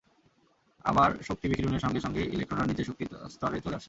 আবার শক্তি বিকিরণের সঙ্গে সঙ্গেই ইলেকট্রনরা নিচের শক্তিস্তরে চলে আসে।